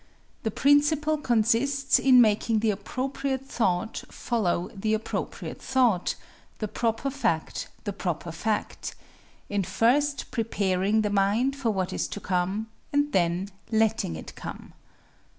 The principle consists in making the appropriate thought follow the appropriate thought, the proper fact the proper fact; in first preparing the mind for what is to come, and then letting it come.